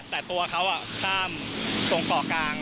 แต่ตัวเขาข้ามตรงเกาะกลาง